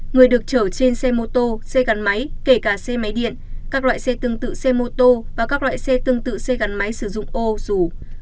người được chở trên xe mô tô xe gắn máy kể cả xe máy điện các loại xe tương tự xe mô tô và các loại xe tương tự xe gắn máy sử dụng ô dù